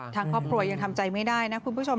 ทางครอบครัวยังทำใจไม่ได้นะคุณผู้ชม